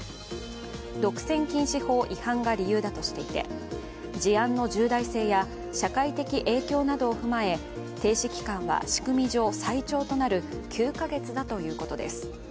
独占禁止法違反が理由だとしていて事案の重大性や社会的影響などを踏まえ停止期間は仕組み上最長となる９か月だということです。